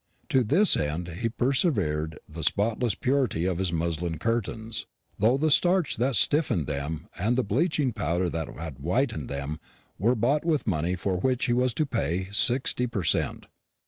To this end he preserved the spotless purity of his muslin curtains, though the starch that stiffened them and the bleaching powder that whitened them were bought with money for which he was to pay sixty per cent.